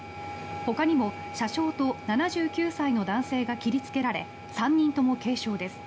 ほかにも車掌と７９歳の男性が切りつけられ３人とも軽傷です。